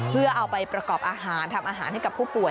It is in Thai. เพื่อเอาไปประกอบอาหารทำอาหารให้กับผู้ป่ว